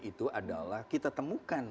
itu adalah kita temukan